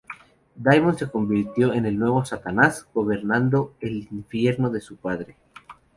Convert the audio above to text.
Daimon se convirtió en el nuevo "Satanás", gobernando el infierno de su padre.